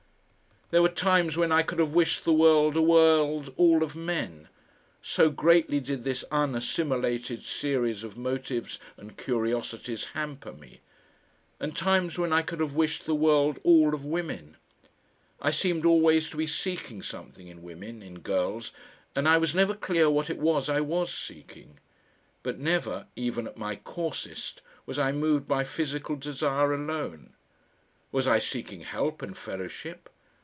There were times when I could have wished the world a world all of men, so greatly did this unassimilated series of motives and curiosities hamper me; and times when I could have wished the world all of women. I seemed always to be seeking something in women, in girls, and I was never clear what it was I was seeking. But never even at my coarsest was I moved by physical desire alone. Was I seeking help and fellowship?